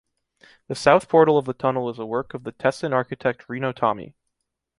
The south portal of the tunnel is a work of the Tessin architect Rino Tami.